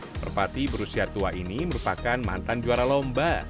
merpati berusia tua ini merupakan mantan juara lomba